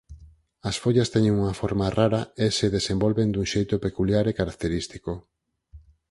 As follas teñen unha forma rara e se desenvolven dun xeito peculiar e característico.